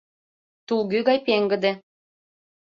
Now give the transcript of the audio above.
тулгӱ гай пеҥгыде